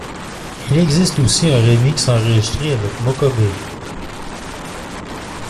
Il existe aussi un remix enregistré avec Mokobé.